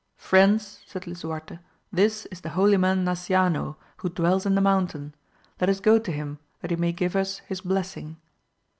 Friends, said Lisuarte, this is the holy man Nasciano who dwells in the mountain, let us go to him that he may give us his blessing.